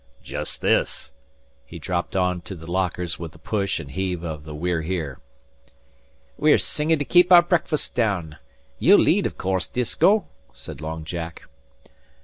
"Jest this!" He dropped on to the lockers with the push and heave of the We're Here. "We're singin' to kape our breakfasts down. Ye'll lead, av course, Disko," said Long Jack.